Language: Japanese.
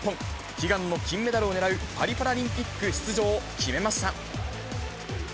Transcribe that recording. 悲願の金メダルを狙うパリパラリンピック出場を決めました。